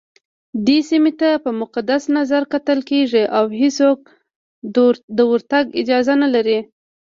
دې سيمي ته په مقدس نظرکتل کېږي اوهيڅوک دورتګ اجازه نه لري